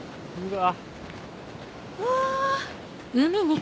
わ！